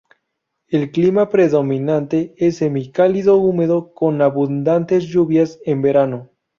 El clima predominante es semicálido húmedo con abundantes lluvias en verano.